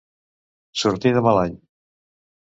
Sortir de mal any.